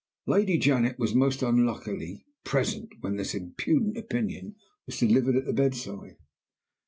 "Lady Janet was, most unluckily, present when this impudent opinion was delivered at the bedside.